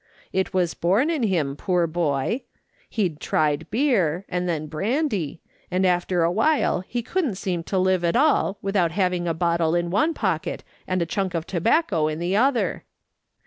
It was born in him, poor boy. He'd tried beer, and then brandy; and after a while he couldn't seem to live at all, without having a bottle in one pocket and a chunk of tobacco in the other.